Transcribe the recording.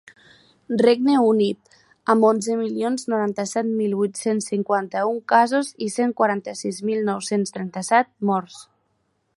Regne Unit, amb onze milions noranta-set mil vuit-cents cinquanta-un casos i cent quaranta-sis mil nou-cents trenta-set morts.